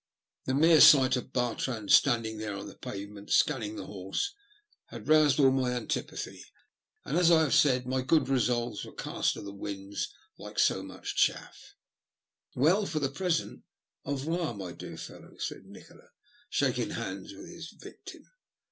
The mere sight of Bartrand standing there on the pavement scanning the horse, had roused all my old antipathy; and, as I have said, my good resolves were cast to the winds like so much chaff. THE LUST OF HATE. 91 " Well, for the present, au revoir, my dear fellow," said Nikola, shaking hands with his victim.